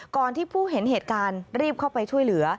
ที่ผู้เห็นเหตุการณ์รีบเข้าไปช่วยเหลือ